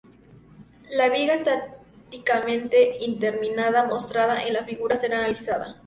La viga estáticamente indeterminada mostrada en la figura será analizada.